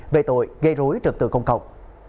về tội gây rối trực tượng công cộng